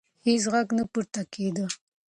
هیڅ غږ نه پورته کېده.